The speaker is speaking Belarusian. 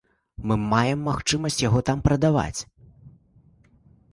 Мы маем магчымасць яго там прадаваць.